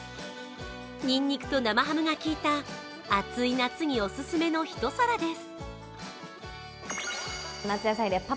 にんにくと生ハムが効いた熱い夏におすすめの一皿です。